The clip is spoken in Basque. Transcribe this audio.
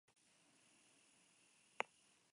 Uruguai txapeldun eta Brasil txapeldunorde gelditu ziren.